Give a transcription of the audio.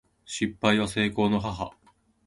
失敗は成功の母